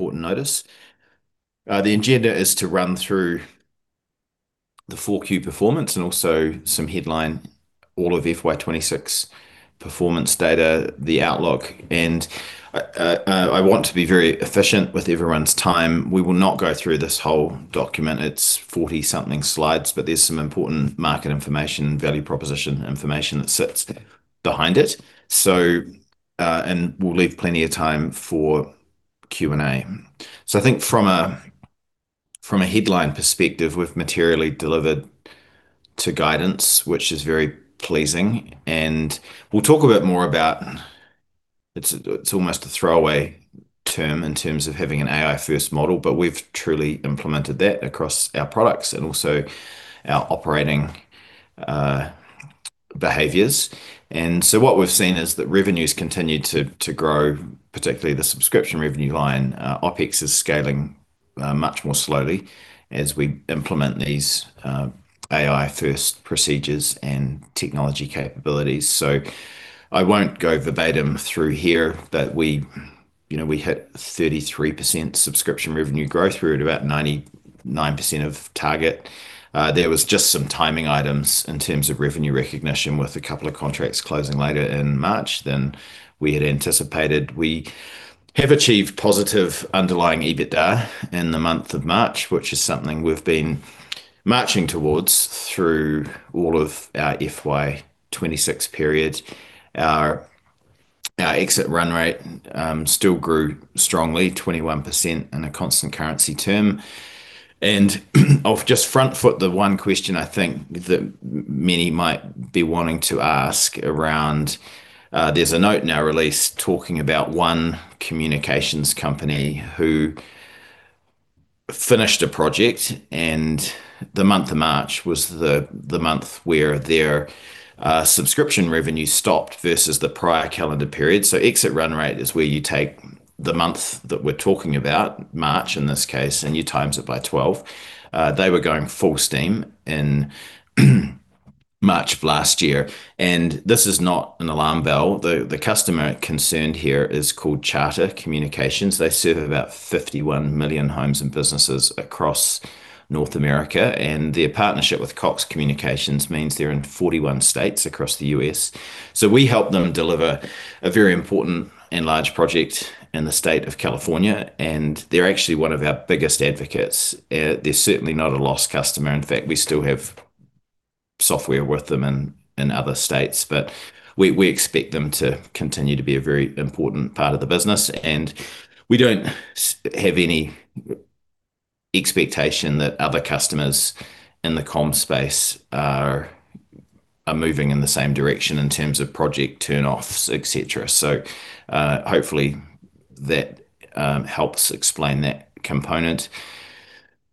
Important notice. The agenda is to run through the 4Q performance and also some headlines all of FY 2026 performance data, the outlook. I want to be very efficient with everyone's time. We will not go through this whole document. It's 40-something slides, but there's some important market information, value proposition information that sits behind it. We'll leave plenty of time for Q&A. I think from a headline perspective, we've materially delivered to guidance, which is very pleasing, and we'll talk a bit more about it. It's almost a throwaway term in terms of having an AI-first model, but we've truly implemented that across our products and also our operating behaviors. What we've seen is that revenues continued to grow, particularly the subscription revenue line. OpEx is scaling much more slowly as we implement these AI-first procedures and technology capabilities. I won't go verbatim through here, but we hit 33% subscription revenue growth. We're at about 99% of target. There was just some timing items in terms of revenue recognition, with a couple of contracts closing later in March than we had anticipated. We have achieved positive underlying EBITDA in the month of March, which is something we've been marching towards through all of our FY 2026 period. Our exit run rate still grew strongly, 21% in a constant currency term. I'll just front foot the one question I think that many might be wanting to ask around. There's a note in our release talking about one communications company who finished a project, and the month of March was the month where their subscription revenue stopped versus the prior calendar period. Exit run rate is where you take the month that we're talking about, March in this case, and you times it by 12. They were going full steam in March of last year, and this is not an alarm bell. The customer concerned here is called Charter Communications. They serve about 51 million homes and businesses across North America, and their partnership with Cox Communications means they're in 41 states across the U.S. We helped them deliver a very important and large project in the state of California, and they're actually one of our biggest advocates. They're certainly not a lost customer. In fact, we still have software with them in other states. We expect them to continue to be a very important part of the business. And we don't have any expectation that other customers in the comm space are moving in the same direction in terms of project turn offs, et cetera. Hopefully that helps explain that component.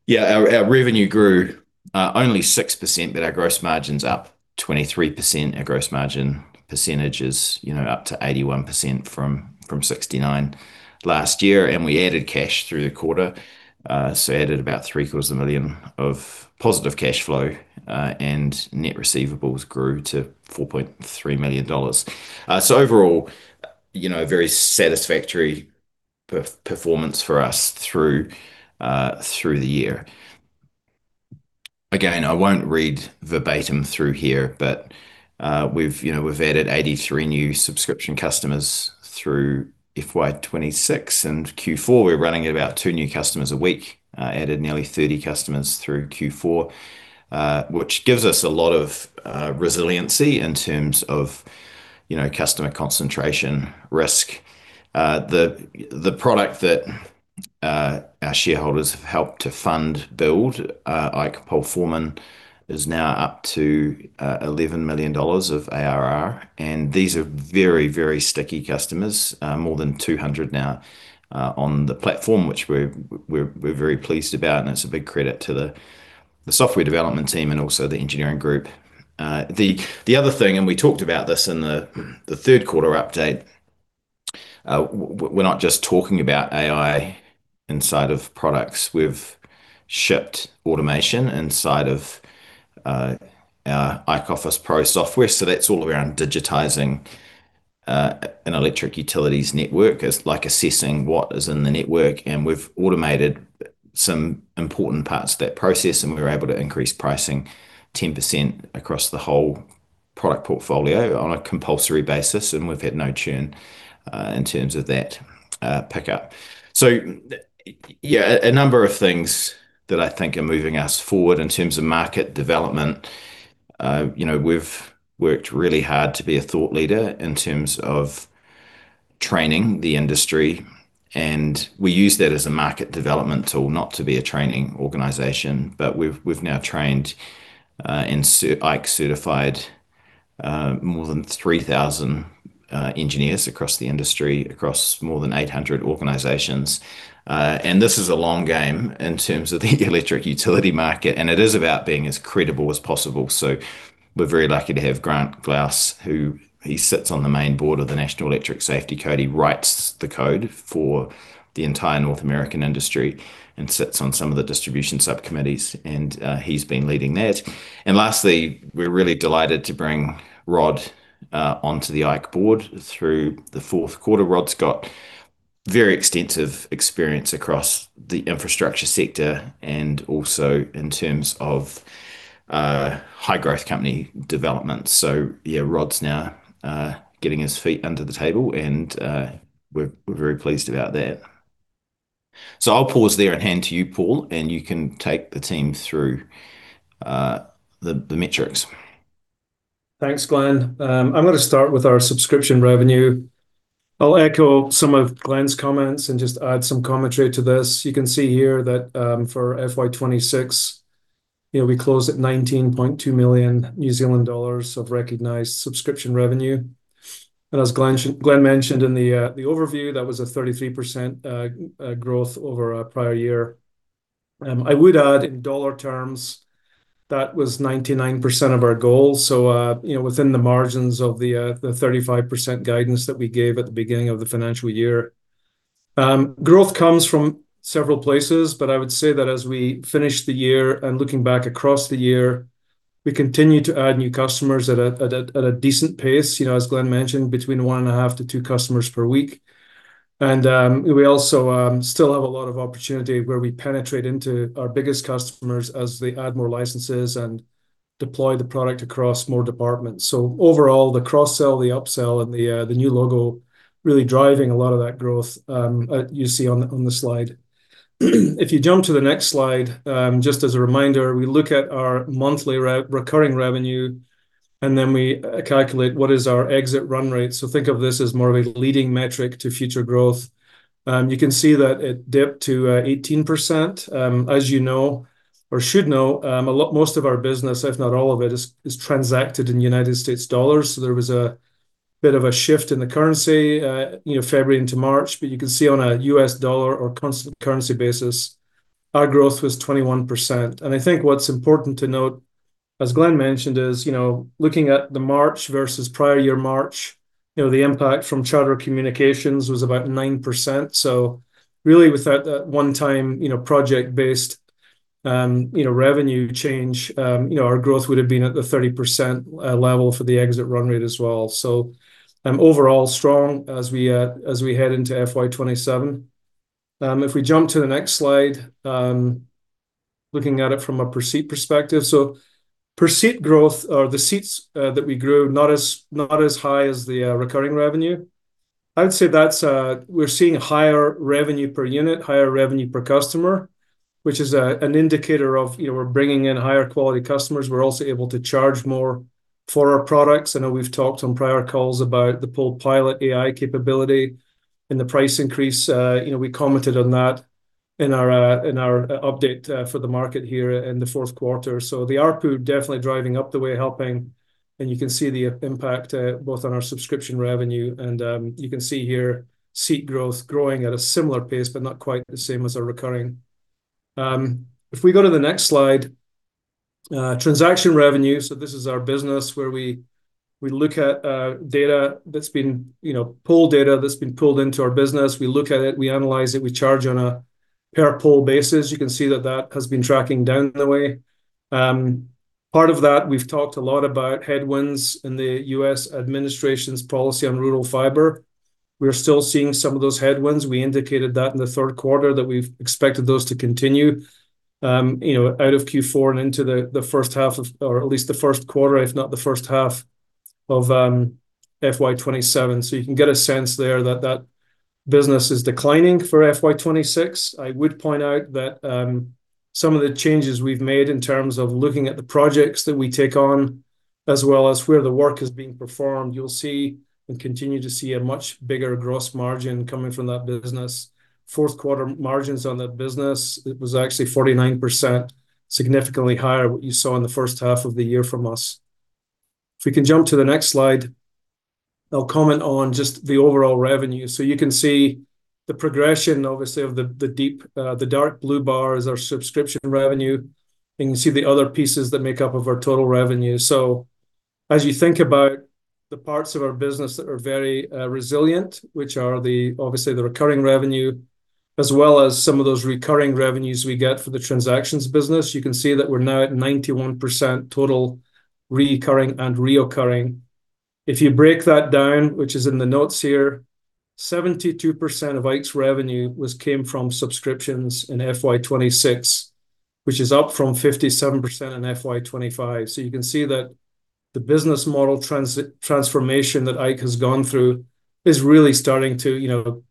Yeah. Our revenue grew only 6%, but our gross margin's up 23%. Our gross margin percentage is up to 81% from 69% last year. We added cash through the quarter, so added about 750,000 of positive cash flow, and net receivables grew to 4.3 million dollars. Overall, a very satisfactory performance for us through the year. Again, I won't read verbatim through here, but we've added 83 new subscription customers through FY 2026 and Q4. We're running at about two new customers a week, added nearly 30 customers through Q4. Which gives us a lot of resiliency in terms of customer concentration risk. The product that our shareholders have helped to fund build, IKE PoleForeman, is now up to 11 million dollars of ARR. These are very, very sticky customers. More than 200 now are on the platform, which we're very pleased about, and it's a big credit to the software development team and also the engineering group. The other thing, and we talked about this in the third quarter update, we're not just talking about AI inside of products. We've shipped automation inside of our IKE Office Pro software. That's all around digitizing an electric utilities network. It's like assessing what is in the network, and we've automated some important parts of that process. And we were able to increase pricing 10% across the whole product portfolio on a compulsory basis. We've had no churn, in terms of that pickup. Yeah, a number of things that I think are moving us forward in terms of market development. We've worked really hard to be a thought leader in terms of training the industry, and we use that as a market development tool, not to be a training organization. We've now trained and IKE certified more than 3,000 engineers across the industry, across more than 800 organizations. This is a long game in terms of the electric utility market, and it is about being as credible as possible. We're very lucky to have Grant Glaus, who sits on the main Board of the National Electrical Safety Code. He writes the code for the entire North American industry and sits on some of the distribution subcommittees, and he's been leading that. Lastly, we're really delighted to bring Rod onto the IKE Board through the fourth quarter. Rod's got very extensive experience across the infrastructure sector and also in terms of high growth company development. Yeah, Rod's now getting his feet under the table, and we're very pleased about that. I'll pause there and hand to you, Paul, and you can take the team through the metrics. Thanks, Glenn. I'm going to start with our subscription revenue. I'll echo some of Glenn's comments and just add some commentary to this. You can see here that for FY 2026, we closed at 19.2 million New Zealand dollars of recognized subscription revenue. As Glenn mentioned in the overview, that was a 33% growth over our prior year. I would add in dollar terms, that was 99% of our goal. Within the margins of the 35% guidance that we gave at the beginning of the financial year. Growth comes from several places, but I would say that as we finish the year and looking back across the year. We continue to add new customers at a decent pace, as Glenn mentioned, between 1.5 customers-2 customers per week. We also still have a lot of opportunity where we penetrate into our biggest customers as they add more licenses and deploy the product across more departments. Overall, the cross-sell, the up-sell, and the new logo are really driving a lot of that growth that you see on the slide. If you jump to the next slide, just as a reminder, we look at our monthly recurring revenue, and then we calculate what is our exit run rate. Think of this as more of a leading metric to future growth. You can see that it dipped to 18%. As you know or should know, most of our business, if not all of it, is transacted in United States dollars. There was a bit of a shift in the currency, February into March. You can see on a U.S. dollar or constant currency basis, our growth was 21%. I think what's important to note, as Glenn mentioned, is looking at the March versus prior year March, the impact from Charter Communications was about 9%. Really with that one-time project-based revenue change, our growth would have been at the 30% level for the exit run rate as well. Overall strong as we head into FY 2027. If we jump to the next slide, looking at it from a per seat perspective. Per seat growth or the seats that we grew, not as high as the recurring revenue. I'd say that we're seeing higher revenue per unit, higher revenue per customer, which is an indicator that we're bringing in higher quality customers. We're also able to charge more for our products. I know we've talked on prior calls about the PolePilot AI capability and the price increase. We commented on that in our update for the market here in the fourth quarter. The ARPU definitely driving upward, helping, and you can see the impact both on our subscription revenue and you can see here seat growth growing at a similar pace, but not quite the same as our recurring. If we go to the next slide, transaction revenue. This is our business where we look at pole data that's been pulled into our business. We look at it, we analyze it, we charge on a per pole basis. You can see that that has been tracking downward. Part of that, we've talked a lot about headwinds in the U.S. administration's policy on rural fiber. We're still seeing some of those headwinds. We indicated that in the third quarter that we've expected those to continue out of Q4 and into the first half of or at least the first quarter, if not the first half of FY 2027. You can get a sense there that that business is declining for FY 2026. I would point out that some of the changes we've made in terms of looking at the projects that we take on, as well as where the work is being performed, you'll see and continue to see a much bigger gross margin coming from that business. Fourth quarter margins on that business, it was actually 49%, significantly higher than what you saw in the first half of the year from us. If we can jump to the next slide, I'll comment on just the overall revenue. You can see the progression, obviously, of the dark blue bar is our subscription revenue. You can see the other pieces that make up of our total revenue. As you think about the parts of our business that are very resilient, which are obviously the recurring revenue, as well as some of those recurring revenues we get for the transactions business. You can see that we're now at 91% total recurring and recurring. If you break that down, which is in the notes here, 72% of IKE's revenue came from subscriptions in FY 2026, which is up from 57% in FY 2025. You can see that the business model transformation that IKE has gone through is really starting to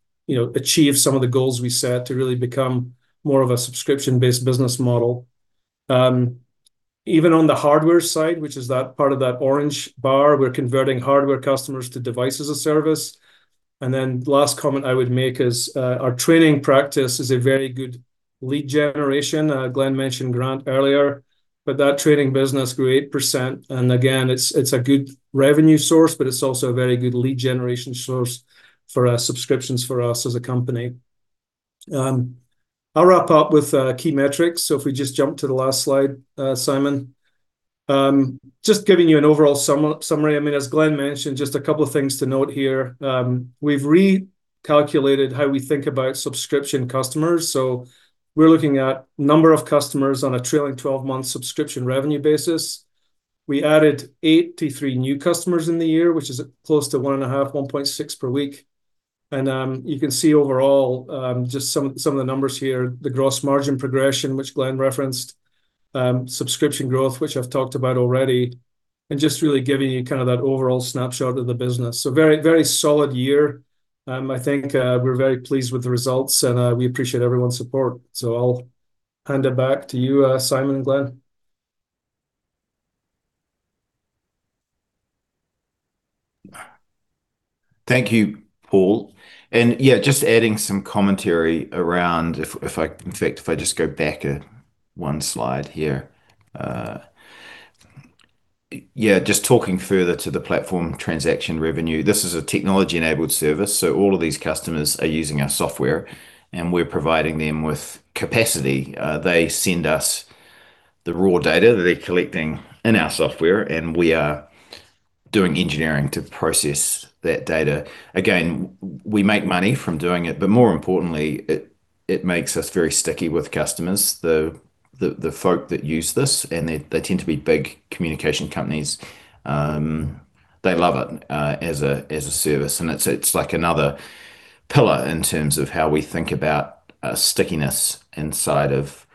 achieve some of the goals we set to really become more of a subscription-based business model. Even on the hardware side, which is that part of that orange bar, we're converting hardware customers to Device as a Service. Last comment I would make is our training practice is a very good lead generation. Glenn mentioned Grant earlier, but that training business grew 8%. Again, it's a good revenue source, but it's also a very good lead generation source for our subscriptions for us as a company. I'll wrap up with key metrics. If we just jump to the last slide, Simon. Just giving you an overall summary. As Glenn mentioned, just a couple of things to note here. We've recalculated how we think about subscription customers. We're looking at number of customers on a trailing 12-month subscription revenue basis. We added 83 new customers in the year, which is close to 1.5-1.6 per week. You can see overall, just some of the numbers here, the gross margin progression, which Glenn referenced, subscription growth, which I've talked about already, and just really giving you kind of that overall snapshot of the business. Very solid year. I think we're very pleased with the results, and we appreciate everyone's support. I'll hand it back to you, Simon and Glenn. Thank you, Paul. Yeah, just adding some commentary around, in fact, if I just go back one slide here. Yeah, just talking further to the platform transaction revenue. This is a technology-enabled service, so all of these customers are using our software, and we're providing them with capacity. They send us the raw data that they're collecting in our software, and we are doing engineering to process that data. Again, we make money from doing it, but more importantly, it makes us very sticky with customers. The folk that use this, and they tend to be big communication companies, they love it as a service. It's like another pillar in terms of how we think about stickiness inside of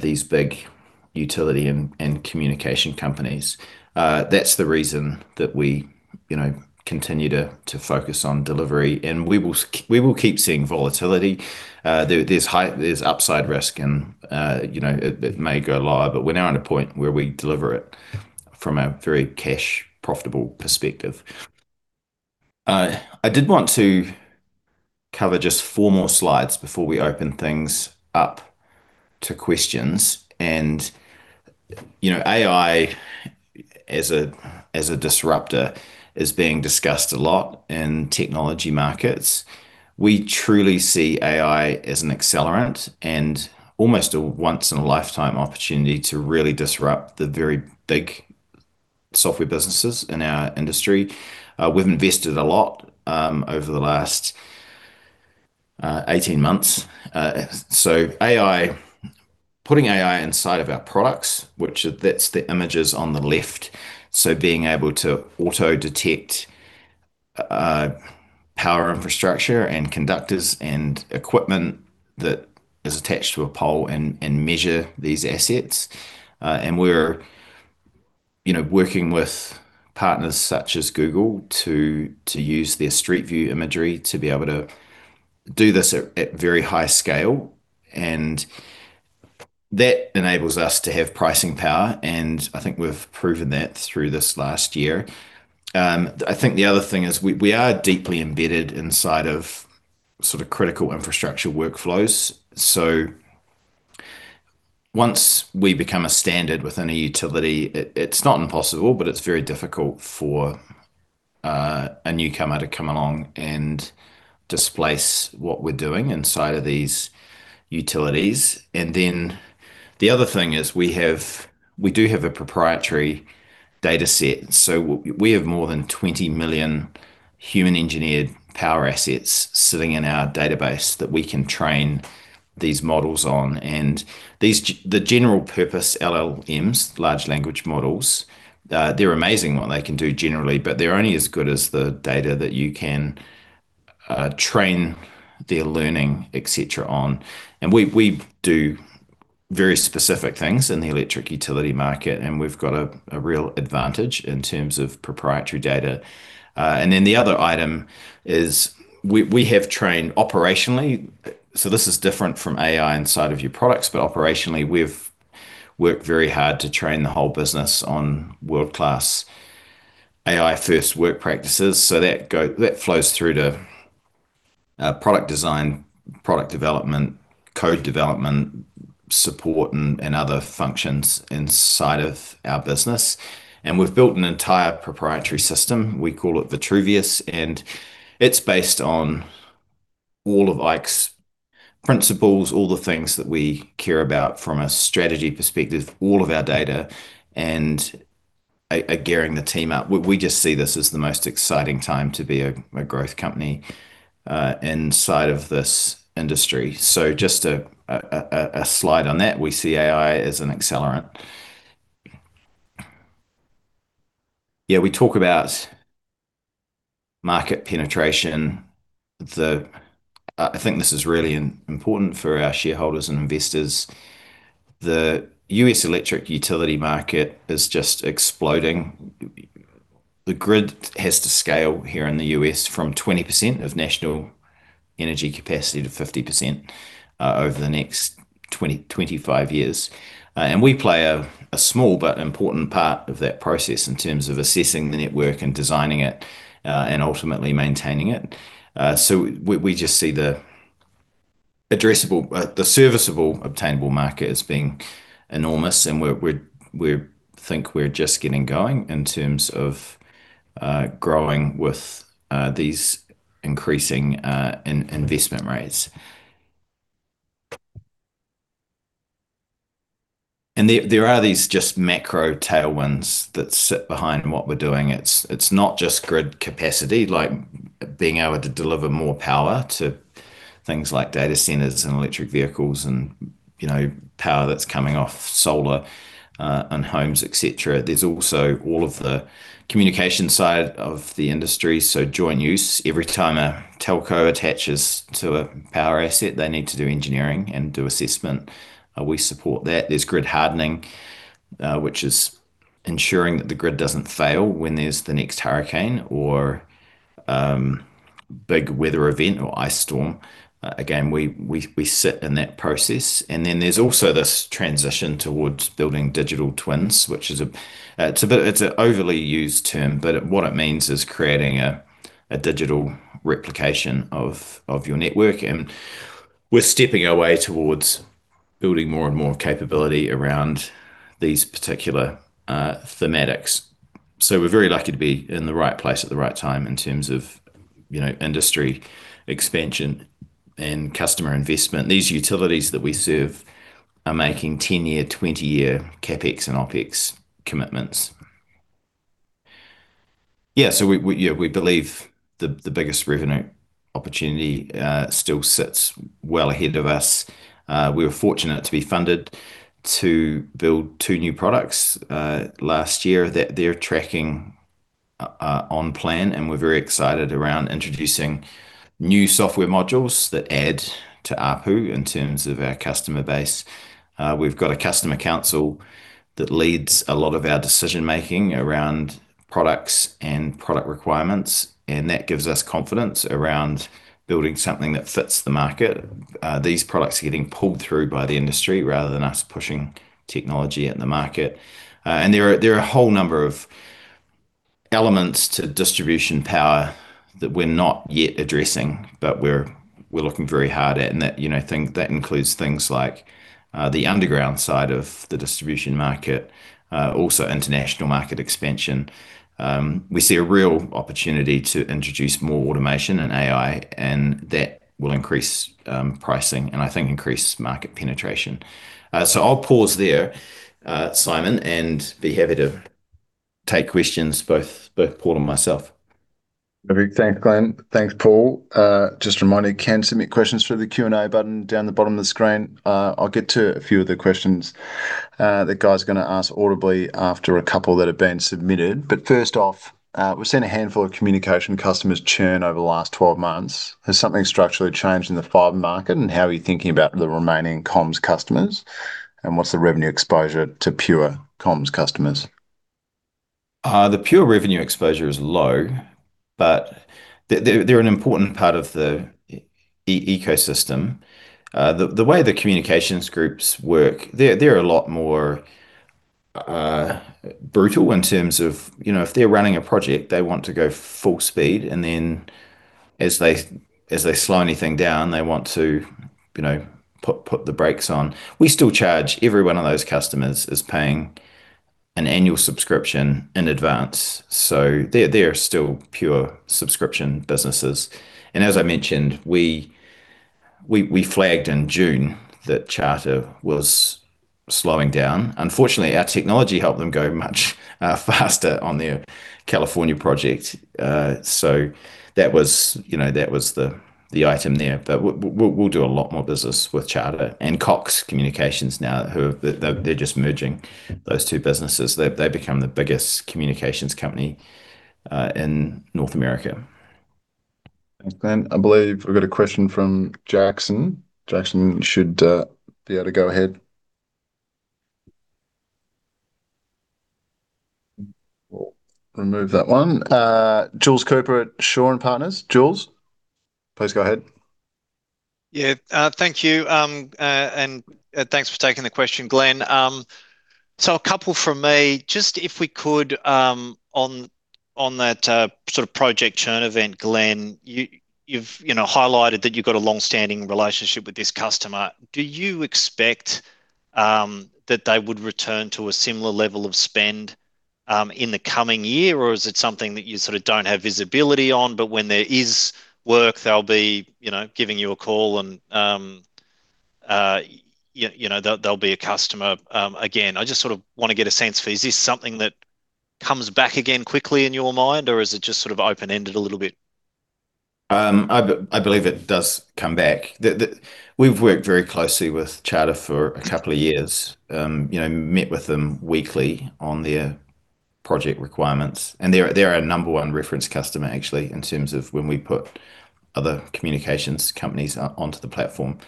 these big utility and communication companies. That's the reason that we continue to focus on delivery, and we will keep seeing volatility. There's upside risk, and it may go lower, but we're now at a point where we deliver it from a very cash profitable perspective. I did want to cover just four more slides before we open things up to questions. AI as a disruptor is being discussed a lot in technology markets. We truly see AI as an accelerant and almost a once in a lifetime opportunity to really disrupt the very big software businesses in our industry. We've invested a lot over the last 18 months. Putting AI inside of our products, which that's the images on the left, being able to auto-detect power infrastructure and conductors and equipment that is attached to a pole and measure these assets. We're working with partners such as Google to use their Street View imagery to be able to do this at very high scale. That enables us to have pricing power, and I think we've proven that through this last year. I think the other thing is we are deeply embedded inside of sort of critical infrastructure workflows. Once we become a standard within a utility, it's not impossible, but it's very difficult for a newcomer to come along and displace what we're doing inside of these utilities. The other thing is we do have a proprietary data set. We have more than 20 million human engineered power assets sitting in our database that we can train these models on. The general purpose LLMs, Large Language Models, they're amazing what they can do generally, but they're only as good as the data that you can train their learning, et cetera, on. We do very specific things in the electric utility market, and we've got a real advantage in terms of proprietary data. Then the other item is we have trained operationally. This is different from AI inside of your products, but operationally, we've worked very hard to train the whole business on world-class AI first work practices. That flows through to product design, product development, code development, support, and other functions inside of our business. We've built an entire proprietary system. We call it Vitruvius, and it's based on all of IKE's principles, all the things that we care about from a strategy perspective, all of our data, and are gearing the team up. We just see this as the most exciting time to be a growth company inside of this industry. Just a slide on that. We see AI as an accelerant. Yeah, we talk about market penetration. I think this is really important for our shareholders and investors. The U.S. electric utility market is just exploding. The grid has to scale here in the U.S. from 20% of national energy capacity to 50% over the next 20 years-25 years. We play a small but important part of that process in terms of assessing the network and designing it, and ultimately maintaining it. We just see the serviceable obtainable market as being enormous, and we think we're just getting going in terms of growing with these increasing investment rates. There are these just macro tailwinds that sit behind what we're doing. It's not just grid capacity like being able to deliver more power to things like data centers and electric vehicles, and power that's coming off solar and homes, et cetera. There's also all of the communication side of the industry, so joint use. Every time a telco attaches to a power asset, they need to do engineering and do assessment. We support that. There's grid hardening, which is ensuring that the grid doesn't fail when there's the next hurricane or big weather event or ice storm. Again, we sit in that process. There's also this transition towards building digital twins, which it's an overly used term, but what it means is creating a digital replication of your network. We're stepping our way towards building more and more capability around these particular thematics. We're very lucky to be in the right place at the right time in terms of industry expansion and customer investment. These utilities that we serve are making 10-year, 20-year CapEx and OpEx commitments. Yeah. We believe the biggest revenue opportunity still sits well ahead of us. We were fortunate to be funded to build two new products last year. That they're tracking on plan, and we're very excited around introducing new software modules that add to ARPU in terms of our customer base. We've got a customer council that leads a lot of our decision-making around products and product requirements, and that gives us confidence around building something that fits the market. These products are getting pulled through by the industry rather than us pushing technology at the market. There are a whole number of elements to distribution power that we're not yet addressing, but we're looking very hard at. That includes things like, the underground side of the distribution market, also international market expansion. We see a real opportunity to introduce more automation and AI, and that will increase pricing and I think increase market penetration. I'll pause there, Simon, and be happy to take questions, both Paul and myself. No big thanks, Glenn. Thanks, Paul. Just a reminder, you can submit questions through the Q&A button down the bottom of the screen. I'll get to a few of the questions that guy's going to ask audibly after a couple that have been submitted. First off, we've seen a handful of communication customers churn over the last 12 months. Has something structurally changed in the fiber market? And how are you thinking about the remaining comms customers? And what's the revenue exposure to pure comms customers? The pure revenue exposure is low, but they're an important part of the ecosystem. The way the communications groups work. They're a lot more brutal in terms of if they're running a project, they want to go full speed, and then as they slow anything down, they want to put the brakes on. We still charge. Every one of those customers is paying an annual subscription in advance. They're still pure subscription businesses. As I mentioned, we flagged in June that Charter was slowing down. Unfortunately, our technology helped them go much faster on their California project. That was the item there. We'll do a lot more business with Charter and Cox Communications now. They're just merging those two businesses. They've become the biggest communications company in North America. Thanks, Glenn. I believe we've got a question from Jackson. Jackson, you should be able to go ahead. We'll remove that one. Jules Cooper at Shaw and Partners. Jules, please go ahead. Yeah. Thank you, and thanks for taking the question, Glenn. A couple from me. Just if we could, on that sort of project churn event, Glenn. You've highlighted that you've got a long-standing relationship with this customer. Do you expect that they would return to a similar level of spend in the coming year, or is it something that you sort of don't have visibility on? But when there is work, they'll be giving you a call and they'll be a customer again? I just sort of want to get a sense for, is this something that comes back again quickly in your mind? Or is it just sort of open-ended a little bit? I believe it does come back. We've worked very closely with Charter for a couple of years. Met with them weekly on their project requirements. They're our number one reference customer, actually, in terms of when we put other communications companies onto the platform.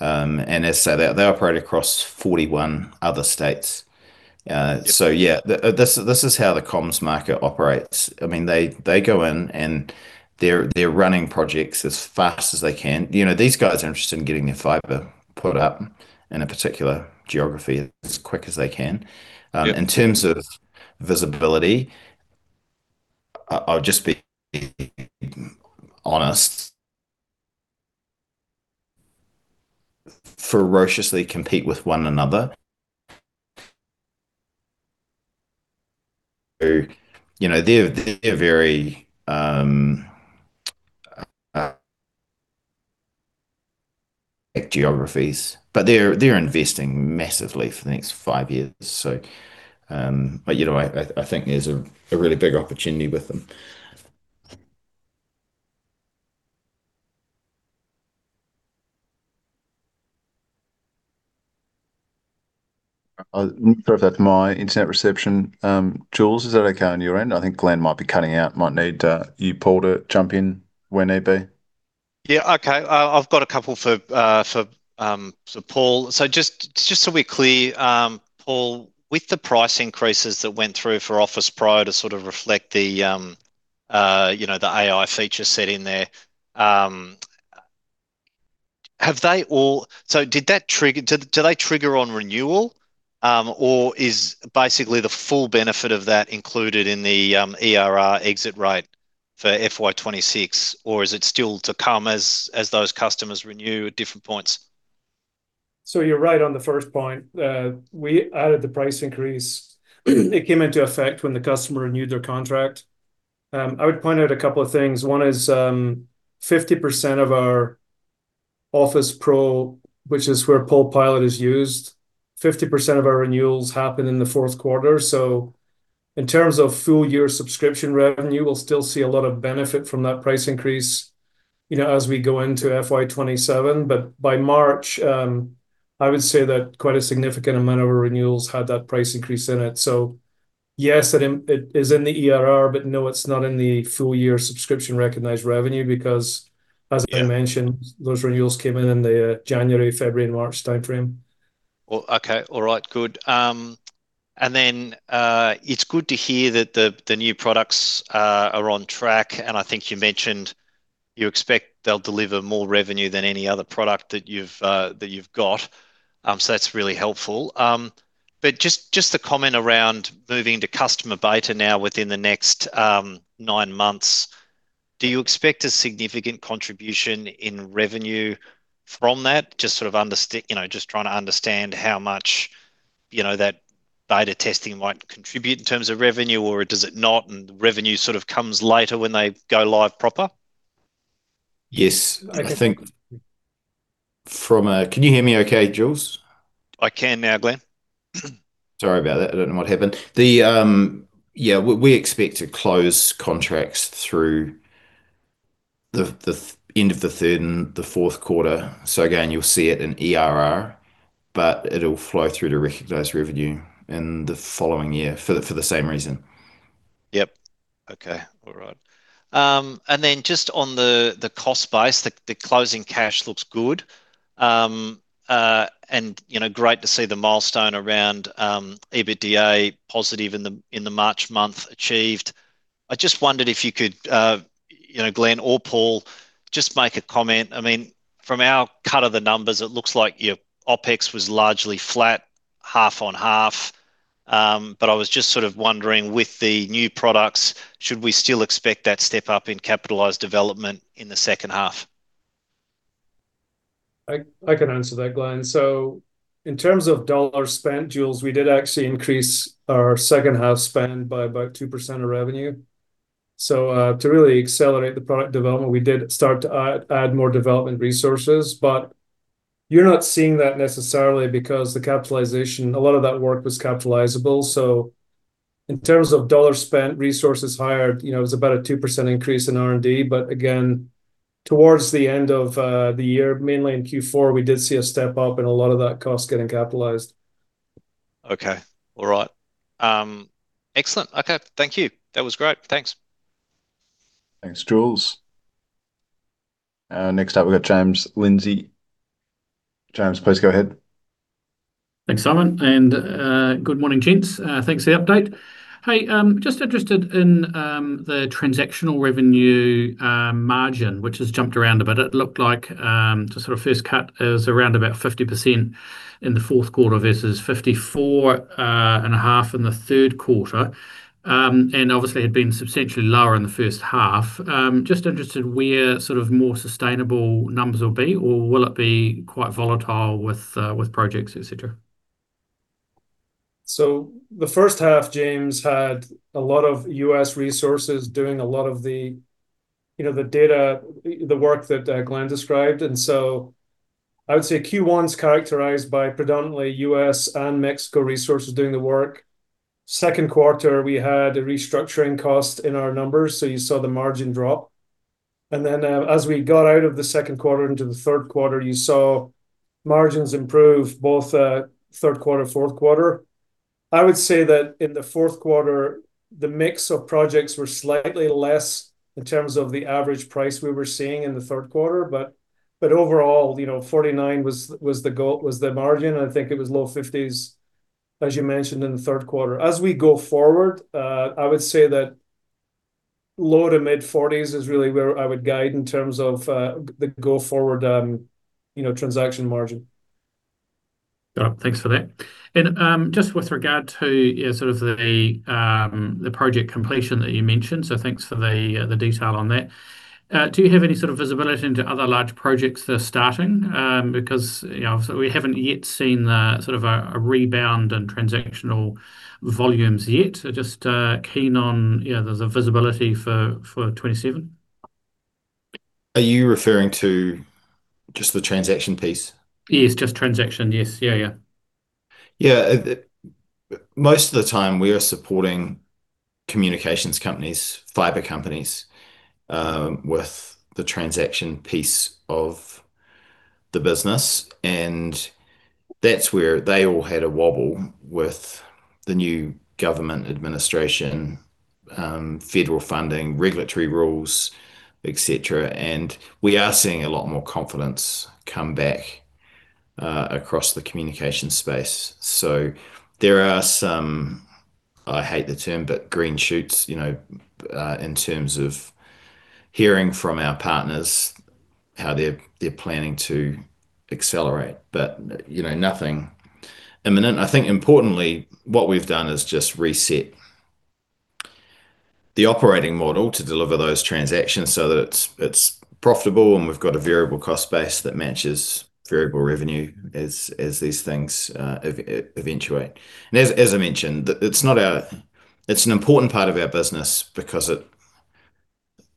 As said, they operate across 41 other states. Yeah, this is how the comms market operates. They go in and they're running projects as fast as they can. These guys are interested in getting their fiber put up in a particular geography as quick as they can. Yeah. In terms of visibility, I'll just be honest. They ferociously compete with one another. They're very in geographies. They're investing massively for the next five years. I think there's a really big opportunity with them. Not sure if that's my internet reception. Jules, is that okay on your end? I think Glenn might be cutting out. Might need you, Paul, to jump in where need be. Yeah. Okay. I've got a couple for Paul. Just so we're clear, Paul, with the price increases that went through for Office Pro to sort of reflect the AI feature set in there. Do they trigger on renewal, or is basically the full benefit of that included in the ERR exit rate for FY 2026? Or is it still to come as those customers renew at different points? You're right on the first point. We added the price increase. It came into effect when the customer renewed their contract. I would point out a couple of things. One is, 50% of our Office Pro, which is where PolePilot is used, 50% of our renewals happen in the fourth quarter. In terms of full year subscription revenue, we'll still see a lot of benefit from that price increase as we go into FY 2027. By March, I would say that quite a significant amount of our renewals had that price increase in it. Yes, it is in the ERR, but no, it's not in the full year subscription recognized revenue because, as I mentioned, those renewals came in the January, February, and March timeframe. Okay. All right, good. It's good to hear that the new products are on track, and I think you mentioned you expect they'll deliver more revenue than any other product that you've got. That's really helpful. Just the comment around moving to customer beta now within the next nine months. Do you expect a significant contribution in revenue from that? Just trying to understand how much that beta testing might contribute in terms of revenue, or does it not, and revenue sort of comes later when they go live proper? Yes. Can you hear me okay, Jules? I can now, Glenn. Sorry about that. I don't know what happened. We expect to close contracts through the end of the third and the fourth quarter. Again, you'll see it in ERR, but it'll flow through to recognized revenue in the following year for the same reason. Yep. Okay. All right. Just on the cost base, the closing cash looks good, and great to see the milestone around EBITDA positive in the March month achieved. I just wondered if you could, Glenn or Paul, just make a comment. From our cut of the numbers, it looks like your OpEx was largely flat, half-on-half. I was just sort of wondering, with the new products, should we still expect that step up in capitalized development in the second half? I can answer that, Glenn. In terms of dollar spent, Jules, we did actually increase our second half spend by about 2% of revenue. To really accelerate the product development, we did start to add more development resources. You're not seeing that necessarily because the capitalization, a lot of that work was capitalizable. In terms of dollar spent, resources hired, it was about a 2% increase in R&D. Again, towards the end of the year, mainly in Q4, we did see a step up and a lot of that cost getting capitalized. Okay. All right. Excellent. Okay. Thank you. That was great. Thanks. Thanks, Jules. Next up we've got James Lindsay. James, please go ahead. Thanks, Simon, and good morning, gents. Thanks for the update. Hey, just interested in the transactional revenue margin, which has jumped around a bit. It looked like, to sort of first cut, it was around about 50% in the fourth quarter versus 54.5% in the third quarter. Obviously had been substantially lower in the first half. Just interested where more sustainable numbers will be, or will it be quite volatile with projects, et cetera? The first half, James, had a lot of U.S. resources doing a lot of the data, the work that Glenn described. I would say Q1's characterized by predominantly U.S. and Mexico resources doing the work. Second quarter, we had a restructuring cost in our numbers, so you saw the margin drop. Then, as we got out of the second quarter into the third quarter, you saw margins improve both, third quarter, fourth quarter. I would say that in the fourth quarter, the mix of projects were slightly less in terms of the average price we were seeing in the third quarter. Overall, 49% was the margin. I think it was low 50s, as you mentioned, in the third quarter. As we go forward, I would say that low-to-mid 40s is really where I would guide in terms of the go forward transaction margin. Got it. Thanks for that. Just with regard to the project completion that you mentioned, so thanks for the detail on that. Do you have any sort of visibility into other large projects that are starting? Because obviously we haven't yet seen a rebound in transactional volumes yet. Just keen on if there's a visibility for 2027? Are you referring to just the transaction piece? Yes, just transaction. Yes. Yeah. Most of the time we are supporting communications companies, fiber companies, with the transaction piece of the business, and that's where they all had a wobble with the new government administration, federal funding, regulatory rules, et cetera, and we are seeing a lot more confidence come back, across the communication space. There are some, I hate the term, but green shoots, in terms of hearing from our partners how they're planning to accelerate, but nothing imminent. I think importantly what we've done is just reset the operating model to deliver those transactions so that it's profitable and we've got a variable cost base that matches variable revenue as these things eventuate. As I mentioned, it's an important part of our business because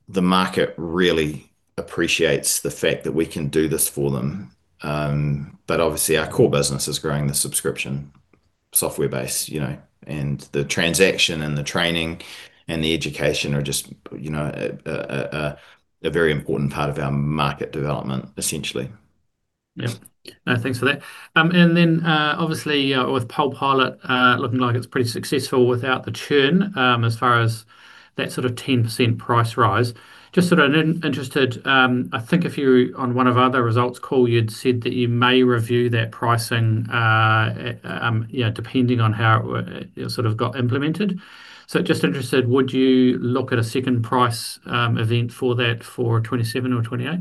the market really appreciates the fact that we can do this for them. Obviously our core business is growing the subscription software base, and the transaction and the training and the education are just a very important part of our market development essentially. Yeah. No, thanks for that. Obviously, with PolePilot looking like it's pretty successful without the churn, as far as that sort of 10% price rise, just sort of interested, I think on one of our other results call you'd said that you may review that pricing, depending on how it sort of got implemented. Just interested, would you look at a second price event for that for 2027 or 2028?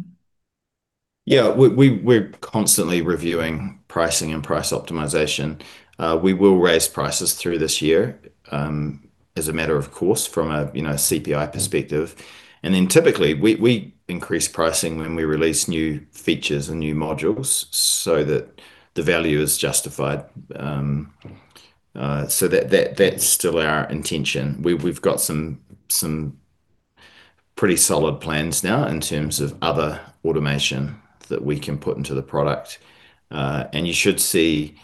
Yeah. We're constantly reviewing pricing and price optimization. We will raise prices through this year, as a matter of course from a CPI perspective. Then typically, we increase pricing when we release new features and new modules so that the value is justified. That's still our intention. We've got some pretty solid plans now in terms of other automation that we can put into the product. You should see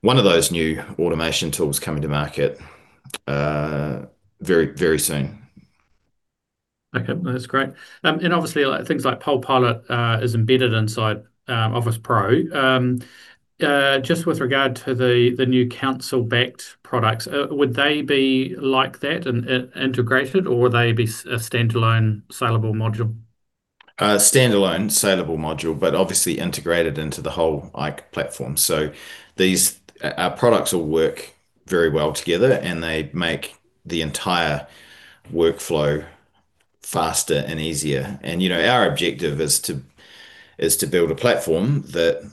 one of those new automation tools coming to market very soon. Okay. No, that's great. Obviously things like PolePilot is embedded inside Office Pro. Just with regard to the new council-backed products, would they be like that and integrated, or would they be a standalone salable module? A standalone saleable module, but obviously integrated into the whole IKE platform. Our products all work very well together, and they make the entire workflow faster and easier. Our objective is to build a platform that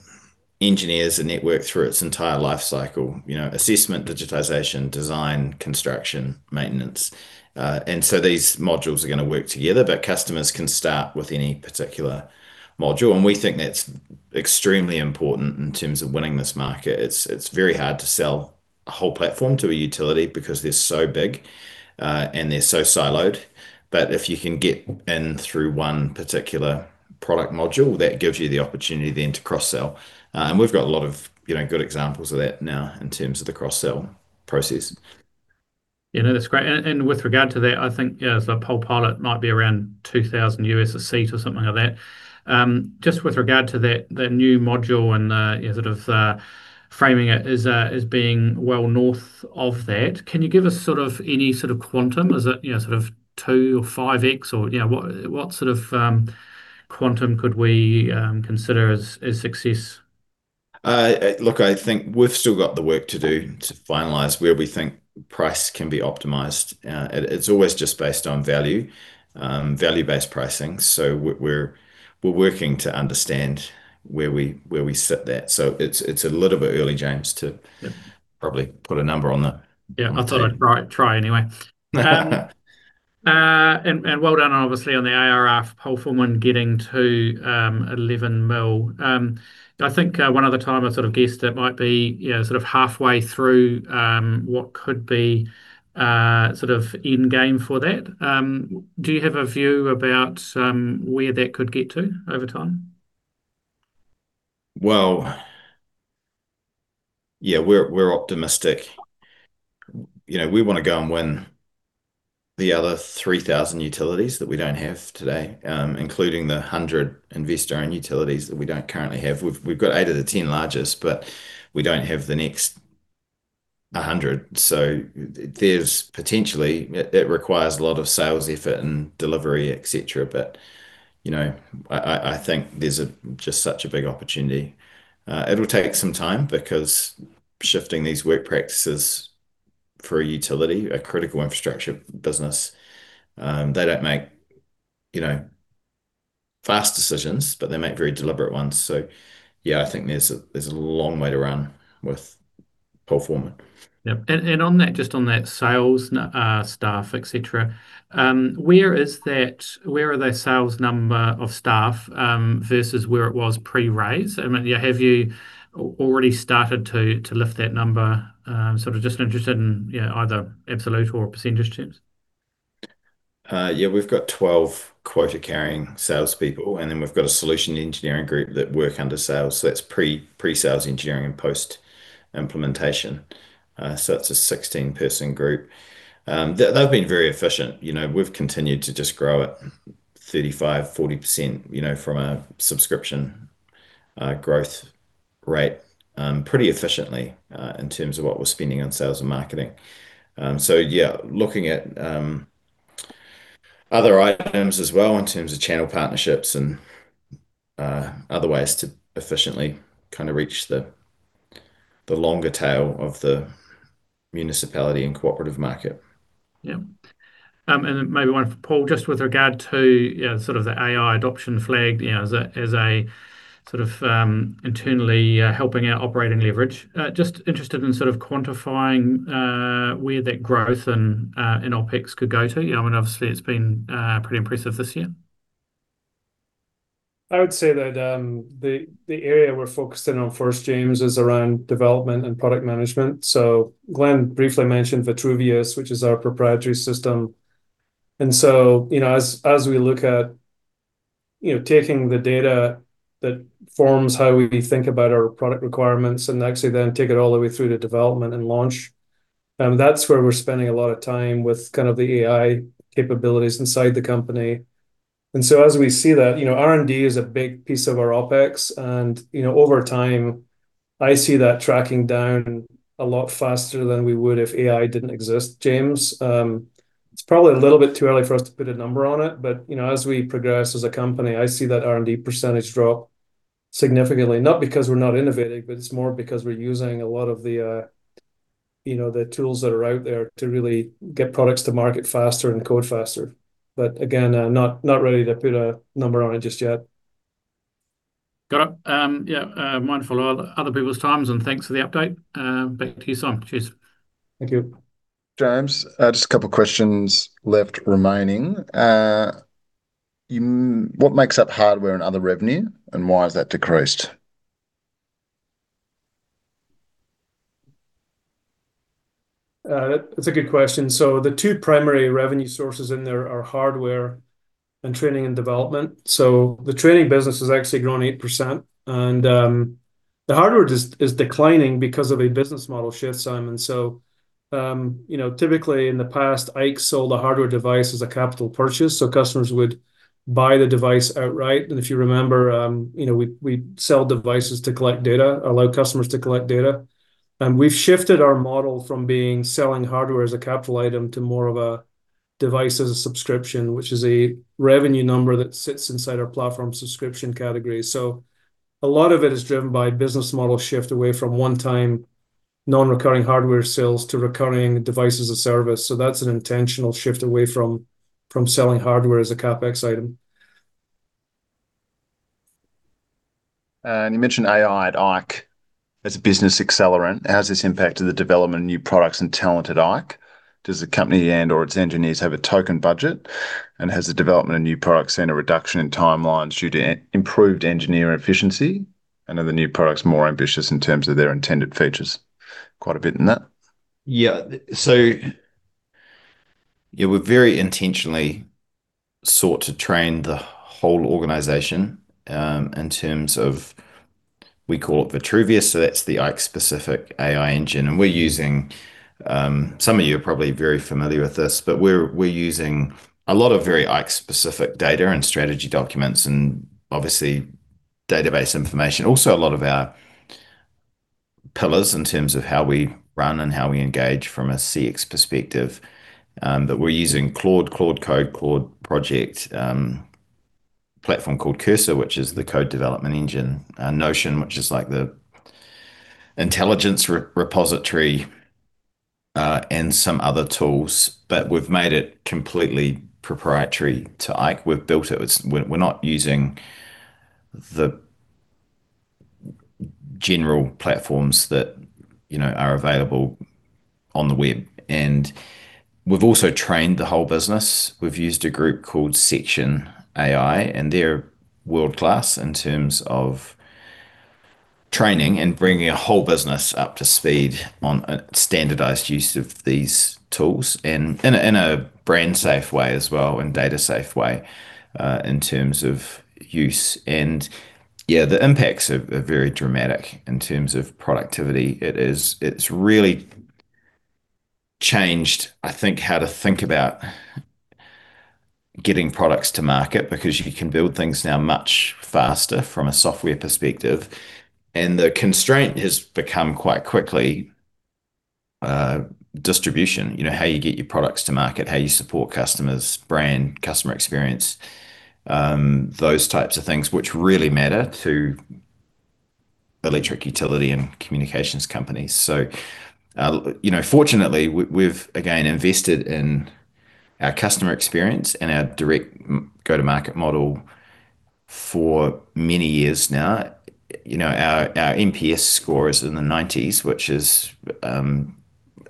engineers a network through its entire life cycle, assessment, digitization, design, construction, maintenance. These modules are going to work together, but customers can start with any particular module, and we think that's extremely important in terms of winning this market. It's very hard to sell a whole platform to a utility because they're so big, and they're so siloed. If you can get in through one particular product module, that gives you the opportunity then to cross-sell. We've got a lot of good examples of that now in terms of the cross-sell process. Yeah. No, that's great. With regard to that, I think as a PolePilot might be around 2,000 a seat or something like that. Just with regard to that new module and sort of framing it as being well north of that, can you give us any sort of quantum? Is it sort of 2x or 5x, or what sort of quantum could we consider as success? Look, I think we've still got the work to do to finalize where we think price can be optimized. It's always just based on value-based pricing. We're working to understand where we sit that, so it's a little bit early, James, to. Yeah. Probably put a number on that one. Yeah. I thought I'd try anyway. Well done obviously on the ARR PoleForeman getting to 11 million. I think one other time I sort of guessed it might be sort of halfway through, what could be endgame for that? Do you have a view about where that could get to over time? Well, yeah, we're optimistic. We want to go and win the other 3,000 utilities that we don't have today, including the 100 investor-owned utilities that we don't currently have. We've got eight of the 10 largest, but we don't have the next 100. Potentially it requires a lot of sales effort and delivery, et cetera, but I think there's just such a big opportunity. It'll take some time because shifting these work practices for a utility, a critical infrastructure business. They don't make fast decisions, but they make very deliberate ones. Yeah, I think there's a long way to run with PoleForeman. Yep. Just on that sales staff, et cetera, where are the sales number of staff, versus where it was pre-raise? Have you already started to lift that number? Sort of just interested in either absolute or percentage terms? Yeah, we've got 12 quota-carrying salespeople, and then we've got a solution engineering group that work under sales. That's pre-sales engineering and post-implementation. It's a 16-person group. They've been very efficient. We've continued to just grow at 35%-40% from a subscription growth rate, pretty efficiently in terms of what we're spending on sales and marketing. Yeah, looking at other items as well in terms of channel partnerships and other ways to efficiently kind of reach the longer tail of the municipality and cooperative market. Yeah, maybe one for Paul, just with regard to sort of the AI adoption flag as a sort of internally helping our operating leverage. Just interested in sort of quantifying where that growth in OpEx could go to. I mean, obviously it's been pretty impressive this year? I would say that the area we're focusing on first, James, is around development and product management. Glenn briefly mentioned Vitruvius, which is our proprietary system. As we look at taking the data that forms how we think about our product requirements and actually then take it all the way through to development and launch. That's where we're spending a lot of time with kind of the AI capabilities inside the company. As we see that, R&D is a big piece of our OpEx, and over time, I see that tracking down a lot faster than we would if AI didn't exist, James. It's probably a little bit too early for us to put a number on it, but as we progress as a company, I see that R&D percentage drop significantly. Not because we're not innovating, but it's more because we're using a lot of the tools that are out there to really get products to market faster and code faster. Again, not ready to put a number on it just yet. Got it. Yeah. Mindful of other people's times, and thanks for the update. Back to you, Simon. Cheers. Thank you. Just a couple of questions left remaining. What makes up hardware and other revenue, and why has that decreased? That's a good question. The two primary revenue sources in there are Hardware and Training and Development. The Training business has actually grown 8%, and the Hardware is declining because of a business model shift, Simon. Typically in the past, IKE sold a hardware device as a capital purchase, so customers would buy the device outright. If you remember, we sell devices to collect data, allow customers to collect data. We've shifted our model from being selling Hardware as a capital item to more of a device as a subscription, which is a revenue number that sits inside our platform subscription category. A lot of it is driven by a business model shift away from one-time non-recurring hardware sales to recurring device as a service. That's an intentional shift away from selling hardware as a CapEx item. You mentioned AI at IKE as a business accelerant. How has this impacted the development of new products and talent at IKE? Does the company and/or its engineers have a token budget, and has the development of new products seen a reduction in timelines due to improved engineer efficiency? Are the new products more ambitious in terms of their intended features? Quite a bit, isn't it? Yeah. We very intentionally sought to train the whole organization in terms of, we call it Vitruvius, so that's the IKE specific AI engine. We're using, some of you are probably very familiar with this, but we're using a lot of very IKE specific data and strategy documents and obviously database information. Also a lot of our pillars in terms of how we run and how we engage from a CX perspective, that we're using Claude Code, Claude Project, a platform called Cursor, which is the code development engine. Notion, which is like the intelligence repository, and some other tools. We've made it completely proprietary to IKE. We've built it. We're not using the general platforms that are available on the web. We've also trained the whole business. We've used a group called Section AI, and they're world-class in terms of training and bringing a whole business up to speed on a standardized use of these tools, and in a brand safe way as well, and data safe way, in terms of use. Yeah, the impacts are very dramatic in terms of productivity. It's really changed, I think, how to think about getting products to market because you can build things now much faster from a software perspective. The constraint has become quite quickly distribution, how you get your products to market, how you support customers, brand, customer experience, those types of things which really matter to electric utility and communications companies. Fortunately, we've, again, invested in our customer experience and our direct go-to-market model for many years now. Our NPS score is in the 90s, which is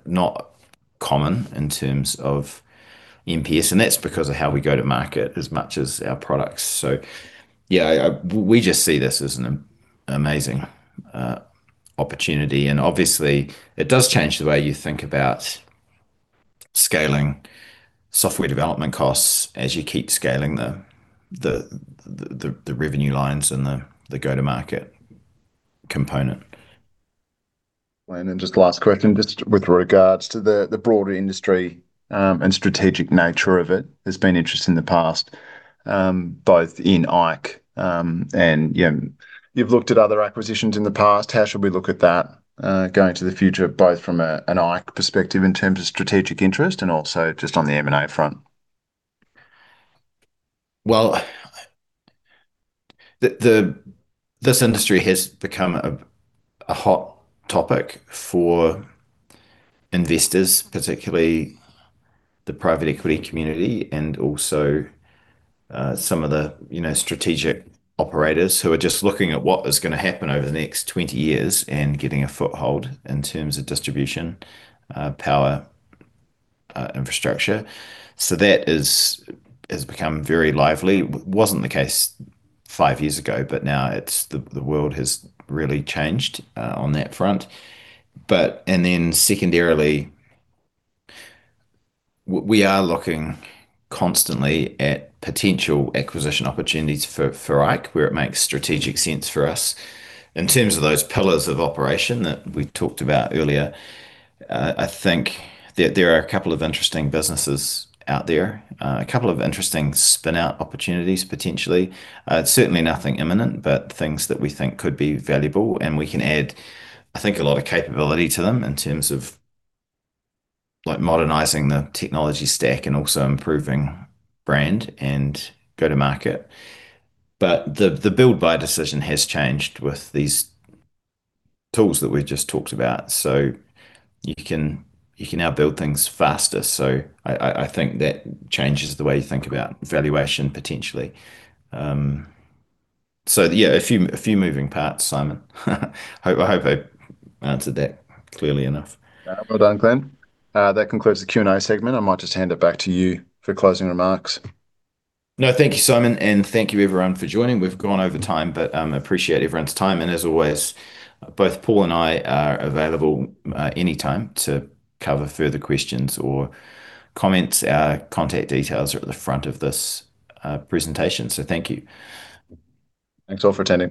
not common in terms of NPS, and that's because of how we go to market as much as our products. Yeah, we just see this as an amazing opportunity, and obviously it does change the way you think about scaling software development costs as you keep scaling the revenue lines and the go-to-market component. Just last question, just with regards to the broader industry and strategic nature of it. There's been interest in the past, both in IKE, and you've looked at other acquisitions in the past. How should we look at that going into the future, both from an IKE perspective in terms of strategic interest and also just on the M&A front? Well, this industry has become a hot topic for investors, particularly the private equity community and also some of the strategic operators who are just looking at what is going to happen over the next 20 years and getting a foothold in terms of distribution, power, infrastructure. That has become very lively. Wasn't the case five years ago, but now the world has really changed on that front. Then secondarily, we are looking constantly at potential acquisition opportunities for IKE, where it makes strategic sense for us. In terms of those pillars of operation that we talked about earlier, I think that there are a couple of interesting businesses out there, a couple of interesting spin-out opportunities, potentially. Certainly nothing imminent, but things that we think could be valuable. We can add, I think, a lot of capability to them in terms of modernizing the technology stack and also improving brand and go to market. The build buy decision has changed with these tools that we just talked about. You can now build things faster. I think that changes the way you think about valuation, potentially. Yeah, a few moving parts, Simon. I hope I answered that clearly enough. Well done, Glenn. That concludes the Q&A segment. I might just hand it back to you for closing remarks. No, thank you, Simon. Thank you everyone for joining. We've gone over time, but we appreciate everyone's time. As always, both Paul and I are available anytime to cover further questions or comments. Our contact details are at the front of this presentation. Thank you. Thanks all for attending.